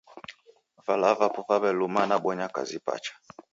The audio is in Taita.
Vala vapo vaw'eluma nabonya kazi pacha.